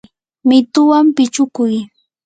mituwan pichukuy.